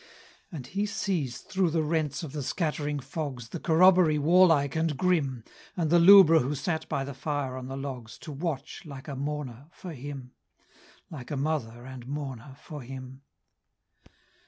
And he sees, through the rents of the scattering fogs, The corroboree warlike and grim, And the lubra who sat by the fire on the logs, To watch, like a mourner, for him Like a mother and mourner for him.